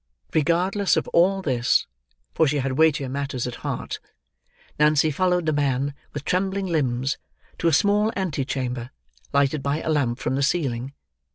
Regardless of all this: for she had weightier matters at heart: Nancy followed the man, with trembling limbs, to a small ante chamber, lighted by a lamp from the ceiling.